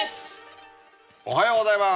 おはようございます。